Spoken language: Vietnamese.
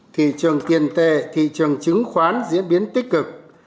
thị trường tiền tệ thị trường chứng khoán diễn biến tích cực